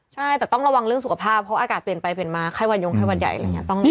ใช่แต่ต้องระวังเรื่องสุขภาพเพราะอากาศเปลี่ยนไปเปลี่ยนมาไข้วันยงไข้วันใหญ่อะไรอย่างนี้